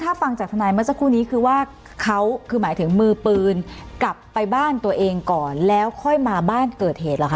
ถ้าฟังจากทนายเมื่อสักครู่นี้คือว่าเขาคือหมายถึงมือปืนกลับไปบ้านตัวเองก่อนแล้วค่อยมาบ้านเกิดเหตุเหรอคะ